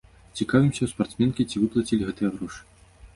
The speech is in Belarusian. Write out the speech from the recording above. Цікавімся ў спартсменкі, ці выплацілі гэтыя грошы.